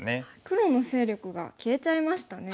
黒の勢力が消えちゃいましたね。